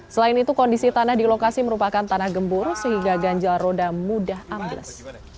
selain itu kondisi tanah di lokasi merupakan tanah gembur sehingga ganjal roda mudah ambles